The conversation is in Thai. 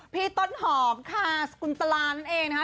พี่ต้นหอมค่าซุนตราน่ะเองนะฮะ